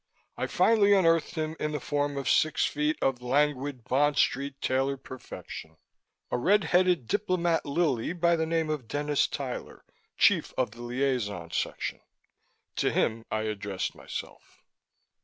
I finally unearthed him in the form of six feet of languid Bond Street tailored perfection a red headed diplomat lily by the name of Dennis Tyler, Chief of the Liaison Section. To him I addressed myself.